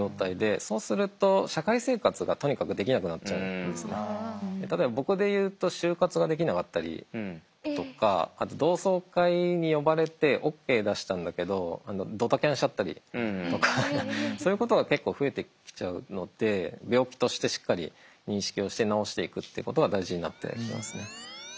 そうすると例えば僕で言うと就活ができなかったりとかあと同窓会に呼ばれてＯＫ出したんだけどドタキャンしちゃったりとかそういうことが結構増えてきちゃうので病気としてしっかり認識をして治していくっていうことが大事になってきますね。